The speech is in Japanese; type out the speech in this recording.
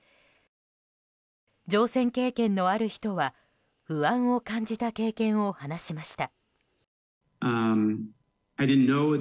乗船経験のある人は不安を感じた経験を話しました。